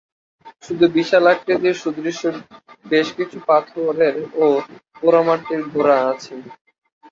শুধু বিশাল আকৃতির সুদৃশ্য বেশ কিছু পাথরের ও পোড়ামাটির ঘোড়া আছে।